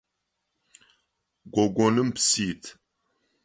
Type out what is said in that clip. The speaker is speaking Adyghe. Гогоным псы ит.